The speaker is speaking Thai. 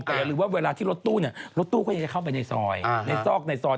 แต่อย่าลืมว่าเวลาที่รถตู้เนี่ยรถตู้ก็ยังจะเข้าไปในซอยในซอกในซอย